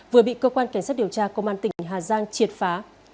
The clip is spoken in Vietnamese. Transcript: vừa bị cơ quan cảnh sát điều tra công an tỉnh hà giang triệt phá